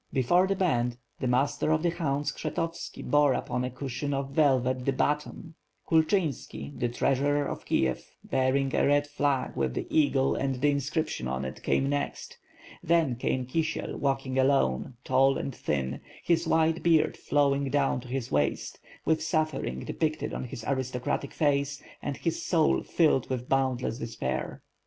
Behind the band the Master of the Hounds, Kshetovski, bore upon a cushion of velvet the baton; Kulchynski, the treasurer of Kiev bearing a red flag with the eagle pnd the inscription on it, came next; then came Kisiel, walking alone, tall and thin, his white beard flowing down to his waist; with suffering depicted on his aristocratic face, and his soul filled with boundless de spair.